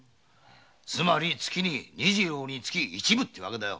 つまり月に二十両につき一分ってわけだよ。